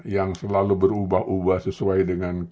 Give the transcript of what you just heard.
yang selalu berubah ubah sesuai dengan